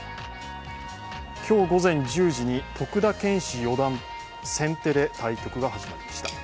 今日午前１０時に、徳田拳士四段先手で対局が始まりました。